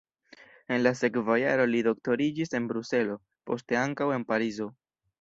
En la sekva jaro li doktoriĝis en Bruselo, poste ankaŭ en Parizo.